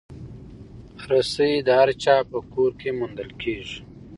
رسۍ د هر چا په کور کې موندل کېږي.